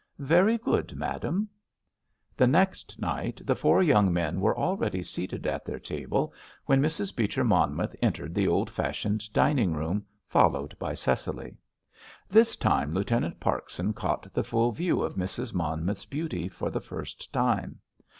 "Very good, madame." The next night the four young men were already seated at their table when Mrs. Beecher Monmouth entered the old fashioned dining room, followed by Cecily. This time Lieutenant Parkson caught the full view of Mrs. Monmouth's beauty for the first time.